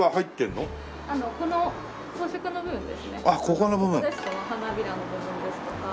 これですと花びらの部分ですとか。